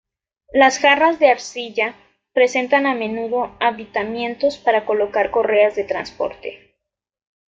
Las jarras de arcilla presentan a menudo aditamentos para colocar correas de transporte.